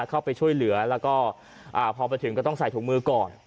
เข้าไปช่วยเหลือแล้วก็พอไปถึงก็ต้องใส่ถุงมือก่อน